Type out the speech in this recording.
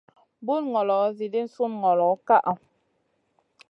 Bun ngolo edii sun ngolo ka ʼa.